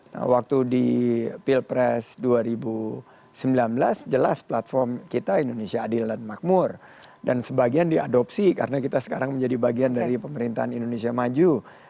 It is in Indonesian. nah waktu di pilpres dua ribu sembilan belas jelas platform kita indonesia adil dan makmur dan sebagian diadopsi karena kita sekarang menjadi bagian dari pemerintahan indonesia maju